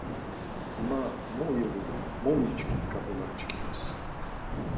Ma mu ivu, mu miçkin ǩap̌ula çkimis?